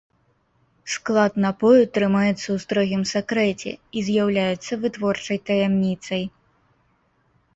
Склад напою трымаецца ў строгім сакрэце і з'яўляецца вытворчай таямніцай.